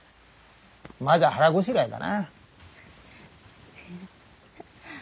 まずは腹ごしらえだな。